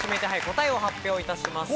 答えを発表いたします。